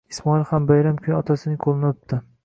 Ismoilham bayram kuni otasining ko'lini o'pdi.